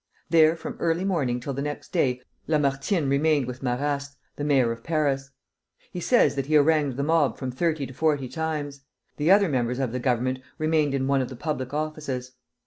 There from early morning till the next day Lamartine remained with Marrast, the Mayor of Paris. He says that he harangued the mob from thirty to forty times. The other members of the Government remained in one of the public offices.